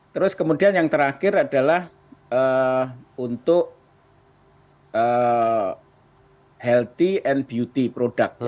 terus kemudian yang terakhir adalah untuk healthy and beauty product